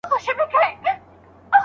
هغې وویل د مور او پلار معلومات مهم دي.